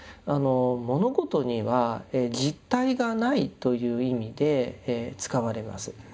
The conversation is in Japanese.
「物事には実体がない」という意味で使われます。